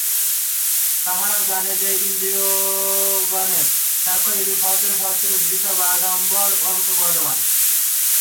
তাহারা জানে যে, ইন্দ্রিয়গণের সাক্ষ্য এইরূপ সহস্র সহস্র বৃথা বাগাড়ম্বর অপেক্ষা বলবান্।